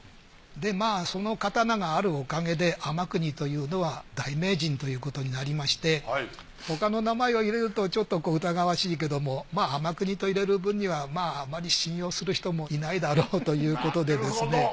その刀があるおかげで天國というのは大名人ということになりまして他の名前を入れるとちょっと疑わしいけども天國と入れる分にはあまり信用する人もいないだろうということでですね